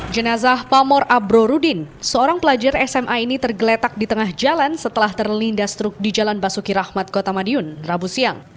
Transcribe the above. jenazah pamor abro rudin seorang pelajar sma ini tergeletak di tengah jalan setelah terlindas truk di jalan basuki rahmat kota madiun rabu siang